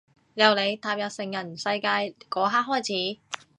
由你踏入成人世界嗰刻開始